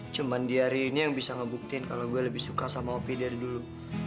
cuman diari ini yang bisa ngebuktiin kalau gue lebih suka sama opi dari dulu